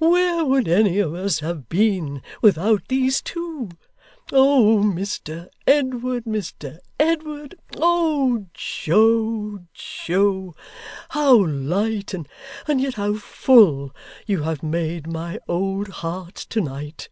where would any of us have been without these two? Oh, Mr Edward, Mr Edward oh, Joe, Joe, how light, and yet how full, you have made my old heart to night!